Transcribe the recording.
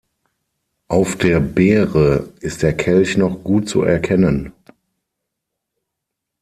Auf der Beere ist der Kelch noch gut zu erkennen.